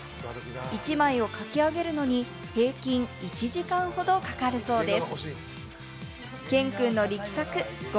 １枚を描き上げるのに平均１時間ほどかかるそうです。